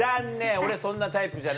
俺そんなタイプじゃない。